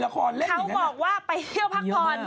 เขาบอกว่าไปเที่ยวพักผ่อน